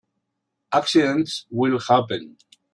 Accidents will happen.